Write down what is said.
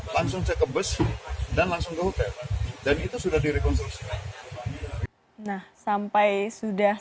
langsung saya ke bus dan langsung ke hotel dan itu sudah direkonstruksi nah sampai sudah